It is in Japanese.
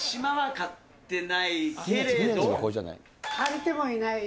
買ってもないよ。